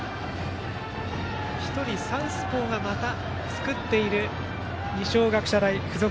１人、サウスポーがまた作っている二松学舎大付属。